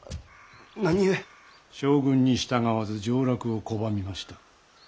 将軍に従わず上洛を拒みました。